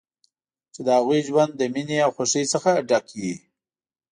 چې د هغوی ژوند له مینې او خوښۍ څخه ډک وي.